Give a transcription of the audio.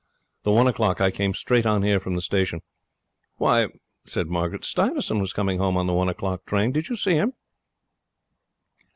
'The one o'clock. I came straight on here from the station.' 'Why,' said Margaret, 'Stuyvesant was coming home on the one o'clock train. Did you see him?'